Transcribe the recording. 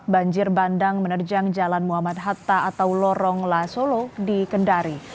banjir bandang menerjang jalan muhammad hatta atau lorong la solo di kendari